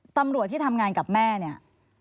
ตำรวจที่ทำงานกับแม่เนี่ย